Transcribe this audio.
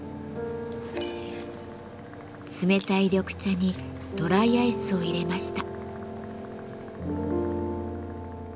冷たい緑茶にドライアイスを入れました。